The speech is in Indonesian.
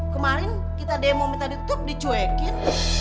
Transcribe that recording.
kemarin kita demo minta ditutup dicuekin